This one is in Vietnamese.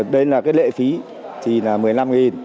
đây là cái lệ phí thì là một mươi năm